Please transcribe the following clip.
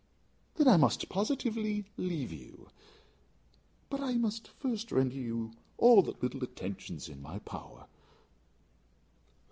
Then I must positively leave you. But I must first render you all the little attentions in my power."